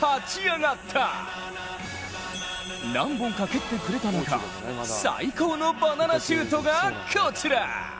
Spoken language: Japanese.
何本か蹴ってくれた中、最高のバナナシュートがこちら。